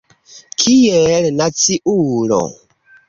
Kiel naciulo.